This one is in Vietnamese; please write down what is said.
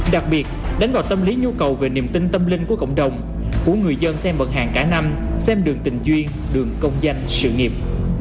đặc biệt đánh vào tâm lý nhu cầu về niềm tin tâm linh của cộng đồng của người dân xem vận hàng cả năm xem đường tình duyên đường công danh sự nghiệp